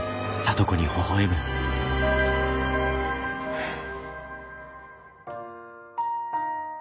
はあ。